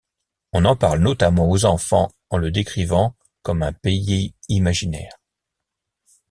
On en parle notamment aux enfants en le décrivant comme un pays imaginaire.